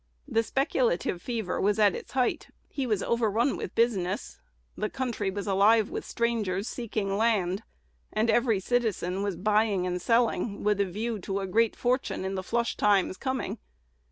The speculative fever was at its height; he was overrun with business: the country was alive with strangers seeking land; and every citizen was buying and selling with a view to a great fortune in the "flush times" coming.